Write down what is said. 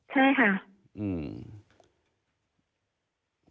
ใช่ค่ะ